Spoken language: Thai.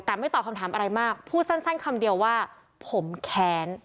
แต่ไม่ตอบคำถามอะไรมากพูดสั้นคำเดียวว่าผมแค้น